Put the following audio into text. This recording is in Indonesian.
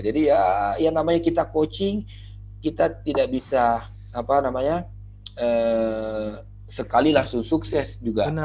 jadi yang namanya kita coaching kita tidak bisa sekali langsung sukses juga